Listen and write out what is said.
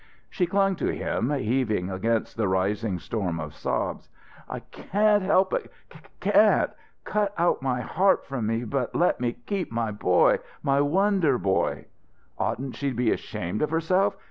She clung to him, heaving against the rising storm of sobs. "I can't help it can't cut out my heart from me, but let me keep my boy my wonder boy " "Oughtn't she be ashamed of herself?